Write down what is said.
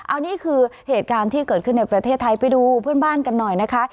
อันนี้คือเหตุการณ์ที่เกิดขึ้นในประเทศไทยไปดูเพื่อนบ้านกันหน่อยนะคะ